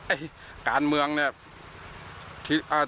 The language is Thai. ไอ้การเมืองเนี่ย